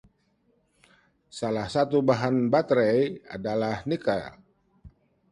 Salah satu bahan baterai adalah nikel.